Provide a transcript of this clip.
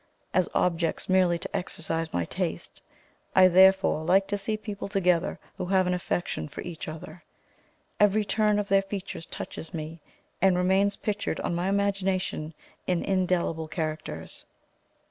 As objects merely to exercise my taste, I therefore like to see people together who have an affection for each other; every turn of their features touches me, and remains pictured on my imagination in indelible characters.